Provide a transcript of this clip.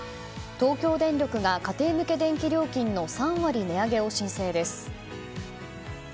東京電力が家庭向け電気料金の３割値上げを申請です。